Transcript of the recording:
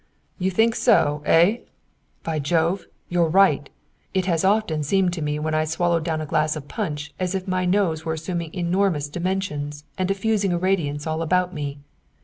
"You think so, eh? By Jove, you're right! It has often seemed to me when I swallow down a glass of punch as if my nose were assuming enormous dimensions and diffusing a radiance all about me.